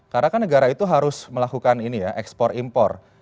karena kan negara itu harus melakukan ini ya ekspor impor